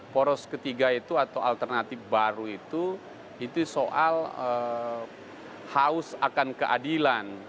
poros ketiga itu atau alternatif baru itu itu soal haus akan keadilan